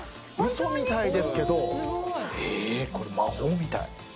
嘘みたいですけど、魔法みたい。